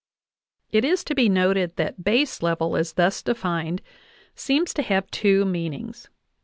It is to be noted that baselevel as thus defined seems to have two meanings.